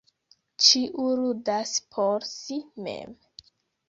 Ĉiu ludas por si mem.